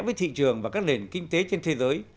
với thị trường và các nền kinh tế trên thế giới